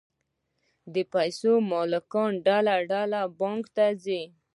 د پیسو مالکان ډله ډله بانک ته ځي